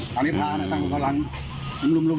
ตอนนี้พระนักฐานกำลังลุ่ม